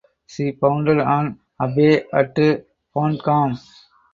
She founded an abbey at Bonham.